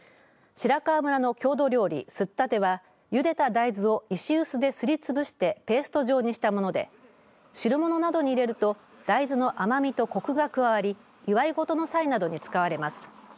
白川村の郷土料理、すったてはゆでた大豆を石臼ですりつぶしてペースト状にしたもので汁物などに入れると大豆の甘みとコクが加わり祝い事の際などに使われます。